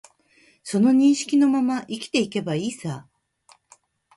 その認識のまま生きていけばいいさ